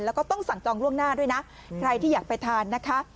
แล้วก็ต้องสั่งจองล่วงหน้าด้วยนะใครที่อยากไปทานนะคะ